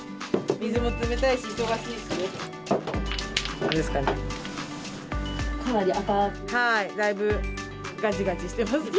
水も冷たいし、忙しいしね。